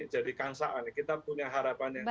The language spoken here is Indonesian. jadi kansaan kita punya harapan yang